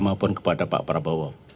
maupun kepada pak prabowo